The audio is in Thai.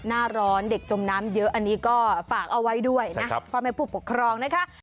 หน้าร้อนเด็กจมน้ำเยอะอันนี้ก็ฝากเอาไว้ด้วยนะพ่อแม่ผู้ปกครองนะคะ